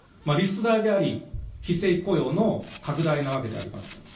であり、非正規雇用の拡大なわけであります。